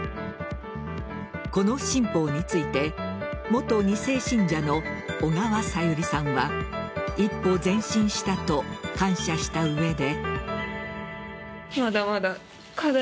この新法について元２世信者の小川さゆりさんは一歩前進したと感謝した上で。